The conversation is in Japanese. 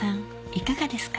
いかがですか？